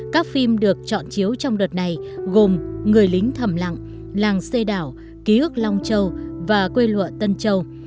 các phim được chọn chiếu trong đợt này gồm người lính thầm lặng làng xây đảo ký ức long châu và quê lụa tân châu